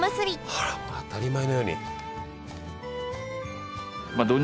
あら当たり前のように。